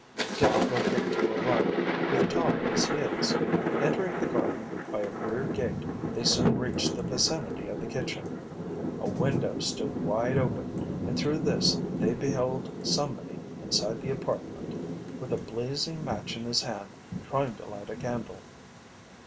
Dick broke into a run, with Tom at his heels. Entering the garden by a rear gate, they soon reached the vicinity of the kitchen. A window stood wide open, and through this they beheld somebody inside the apartment with a blazing match in his hand trying to light a candle.